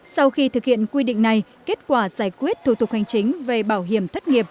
sau khi thực hiện quy định này kết quả giải quyết thủ tục hành chính về bảo hiểm thất nghiệp